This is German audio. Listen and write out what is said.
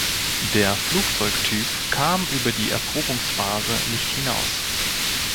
Der Flugzeugtyp kam über die Erprobungsphase nicht hinaus.